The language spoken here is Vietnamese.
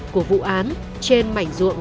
của vụ án trên mảnh ruộng